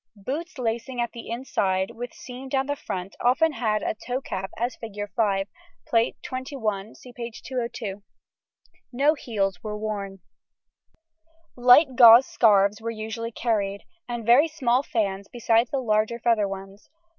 Boots lacing at the inside, with seam down the front, often had a toe cap as in Fig. 5, Plate XXI (see p. 202); no heels were worn. Light gauze scarves were usually carried, and very small fans besides the larger feather ones.